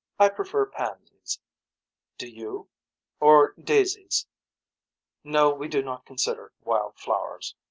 I prefer pansies. Do you. Or daisies. No we do not consider wild flowers.